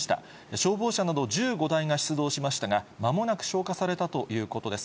消防車など１５台が出動しましたが、まもなく消火されたということです。